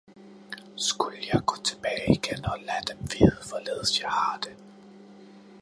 Skulle jeg gå tilbage igen og lade dem vide, hvorledes jeg har det!